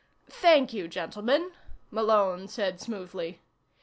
"Thank you, gentlemen," Malone said smoothly.